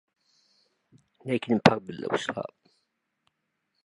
It is about north of Beirut.